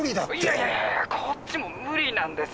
いやこっちも無理なんです。